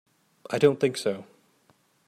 I don't think so.